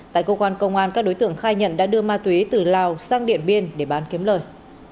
tại cơ quan công an các đối tượng khai nhận đã đưa ma túy từ lào sang điện biên để bán kiếm lời